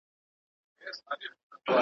یو تصویر دی چي را اوري پر خیالونو، پر خوبونو.